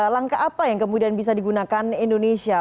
langkah apa yang kemudian bisa digunakan indonesia